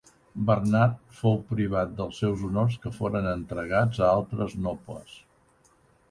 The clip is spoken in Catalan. Bernat fou privat dels seus honors que foren entregats a altres nobles.